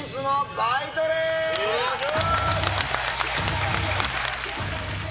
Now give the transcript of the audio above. よいしょ！